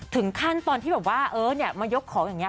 ถึงขั้นตอนที่บอกว่าเอิ้นมายกของอย่างนี้